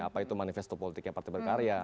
apa itu manifesto politiknya partai berkarya